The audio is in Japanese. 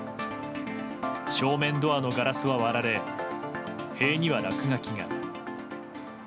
正面ドアのガラスは割られ塀には落書きが。